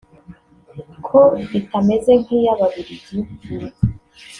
ko itameze nk’iy’ababiligi